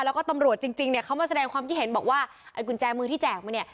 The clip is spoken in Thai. แล้วก็ตำรวจจริงจริงเนี่ยเขามาแสดงความคิดเห็นบอกว่าไอ้กุญแจมือที่แจกมาเนี่ย